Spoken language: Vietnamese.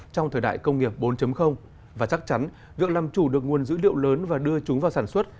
trong thời đại công nghiệp bốn và chắc chắn việc làm chủ được nguồn dữ liệu lớn và đưa chúng vào sản xuất